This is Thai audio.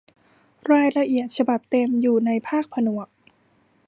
รายละเอียดฉบับเต็มอยู่ในภาคผนวก